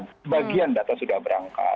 sebagian data sudah berangkat